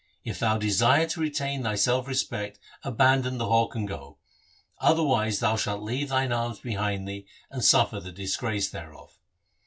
If thou desire to retain thy self respect, abandon the hawk and go. Otherwise thou shalt leave thine arms behind thee, and suffer the disgrace thereof.'